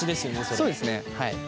そうですねはい。